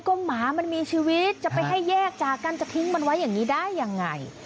ก็หมามันมีชีวิตจะไปให้แยกจากกันจะทิ้งมันไว้อย่างนี้ได้ยังไง